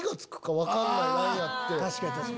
確かに確かに。